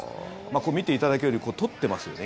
これ、見ていただけるように撮ってますよね